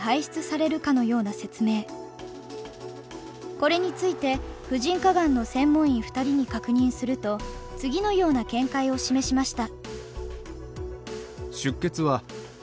これについて婦人科がんの専門医２人に確認すると次のような見解を示しました。